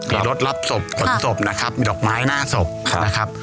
มีรถรับศพขนศพนะครับมีดอกไม้หน้าศพนะครับ